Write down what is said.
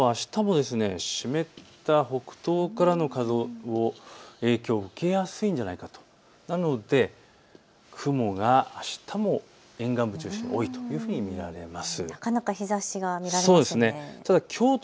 ということはあしたも湿った北東からの風の影響を受けやすいんじゃないかと、なので雲があしたも沿岸部中心に多いというふうに見られます。